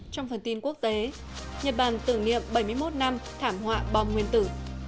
trong phần tin quốc tế nhật bản tưởng niệm bảy mươi một năm thảm họa bong nguyễn tử